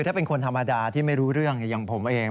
ถ้าเป็นคนธรรมดาที่ไม่รู้เรื่องอย่างผมเอง